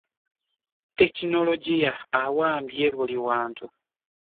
Tekinologiya awambye buli wantu